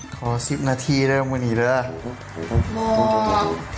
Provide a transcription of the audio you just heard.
ขอ๑๐นาทีเริ่มกันอีกแล้ว